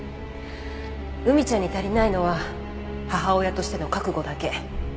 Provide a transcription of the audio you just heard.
海ちゃんに足りないのは母親としての覚悟だけ。